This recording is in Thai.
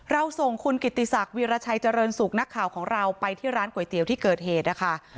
เราส่งคุณกิติศักดิราชัยเจริญสุขนักข่าวของเราไปที่ร้านก๋วยเตี๋ยวที่เกิดเหตุนะคะ